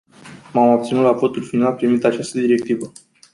M-am abținut la votul final privind această directivă.